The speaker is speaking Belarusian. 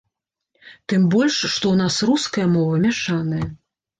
Тым больш, што ў нас руская мова мяшаная.